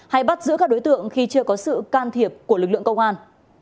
hay bắt giữ các đối tượng khi chưa có sự can thiệp của lực lượng công an